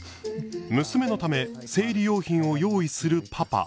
娘のため生理用品を用意するパパ。